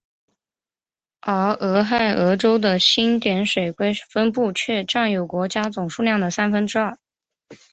而俄亥俄州的星点水龟分布却占有国家总数量的三分之二。